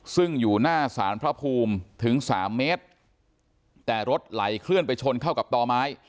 ซึ่งอยู่หน้าสารพระภูมิถึงสามเมตรแต่รถไหลเคลื่อนไปชนเข้ากับต่อไม้